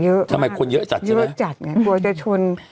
เยอะมากทำไมคนเยอะจัดใช่ไหมเยอะจัดไงกลัวจะชน